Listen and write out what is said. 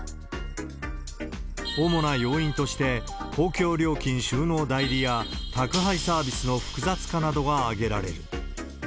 主な要因として、公共料金収納代理や、宅配サービスの複雑化などが挙げられる。